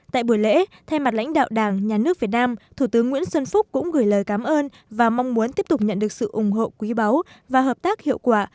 tại buổi lễ thay mặt lãnh đạo đảng nhà nước việt nam thủ tướng nguyễn xuân phúc cũng gửi lời cảm ơn và mong muốn tiếp tục nhận được sự ủng hộ quý báu và hợp tác hiệu quả